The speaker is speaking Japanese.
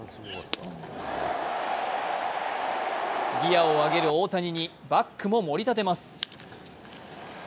ギアを上げる大谷にバックも盛り立てます。